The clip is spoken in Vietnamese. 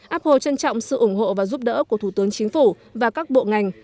apple trân trọng sự ủng hộ và giúp đỡ của thủ tướng chính phủ và các bộ ngành